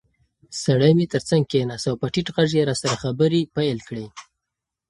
سړی مې تر څنګ کېناست او په ټیټ غږ یې راسره خبرې پیل کړې.